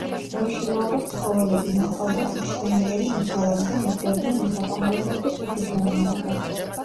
მოიშინაურეს ცხოველები, მოჰყავდათ მშვენიერი მოსავალი და მისდევდნენ მესაქონლეობას და სოფლის მეურნეობას.